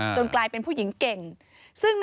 กลายเป็นผู้หญิงเก่ง